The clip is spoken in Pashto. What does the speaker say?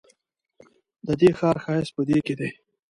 ددې ښار ښایست په دې کې دی.